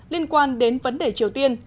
liên quan đến vấn đề triều tiên